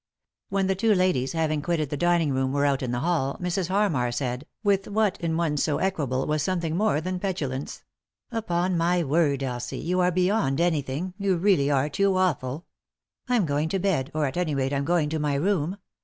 When the two ladies, having quitted the dining room, were out in the hall, Mrs. Hannar said, with what, in one so equable, was something more than petulance :" Upon my word, Elsie, you are beyond anything — you really are too awful I'm going to bed, or, at any rate, I'm going to my room.